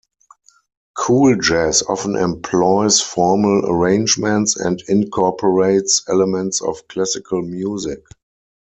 Cool jazz often employs formal arrangements and incorporates elements of classical music.